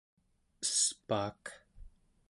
espaak